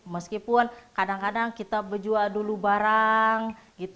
meskipun kadang kadang kita berjual dulu barang